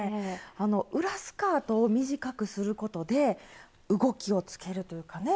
あの裏スカートを短くすることで動きをつけるというかね。